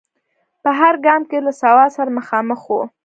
په هر ګام کې له سوال سره مخامخ و.